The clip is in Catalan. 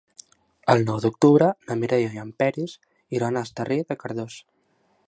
El nou d'octubre na Mireia i en Peris iran a Esterri de Cardós.